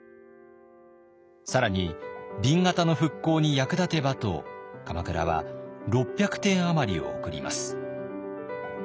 更に紅型の復興に役立てばと鎌倉は６００点余りをおくります。